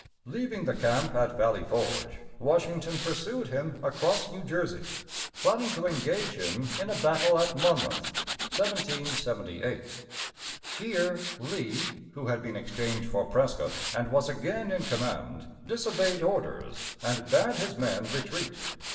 Leaving the camp at Valley Forge, Washington pursued him across New Jersey, planning to engage him in a battle at Mon´moŭth (1778). Here Lee, who had been exchanged for Prescott, and was again in command, disobeyed orders, and bade his men retreat.